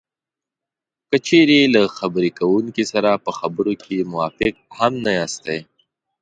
که چېرې له خبرې کوونکي سره په خبرو کې موافق هم نه یاستی